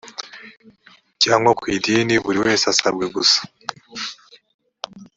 cyangwa ku idini buri wese asabwe gusa